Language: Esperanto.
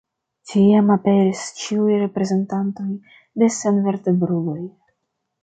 Tiam aperis ĉiuj reprezentantoj de senvertebruloj.